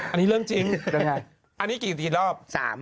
อันนี้เรื่องจริงอันนี้กี่รอบ